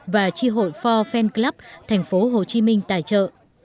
và tri hội phò fan club thành phố hồ chí minh tài trợ